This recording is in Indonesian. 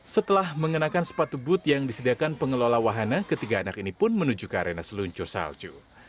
setelah mengenakan sepatu booth yang disediakan pengelola wahana ketiga anak ini pun menuju ke arena seluncur salju